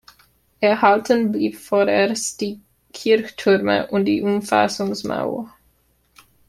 Erhalten blieb vorerst die Kirchtürme und die Umfassungsmauer.